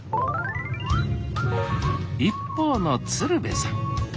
一方の鶴瓶さん。